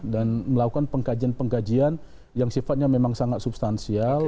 dan melakukan pengkajian pengkajian yang sifatnya memang sangat substansial